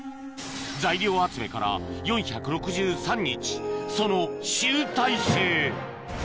材料集めから４６３日その集大成